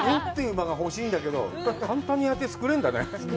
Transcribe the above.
間が欲しいんだけど、簡単に作れるんだね。